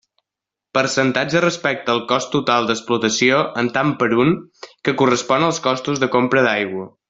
Percentatge respecte al cost total d'explotació, en tant per un, que correspon als costos de compra d'aigua.